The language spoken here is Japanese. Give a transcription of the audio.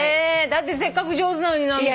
だってせっかく上手なのに直美ちゃん。